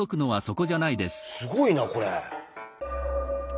すごいなこれ。